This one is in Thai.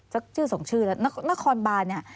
ช่วงจึ้อส่งชื่อแล้วและนครบานน์นี่